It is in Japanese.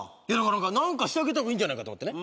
何かしてあげたほうがいいんじゃないかと思ってね